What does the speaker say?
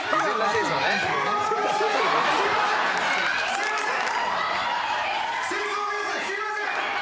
すいません。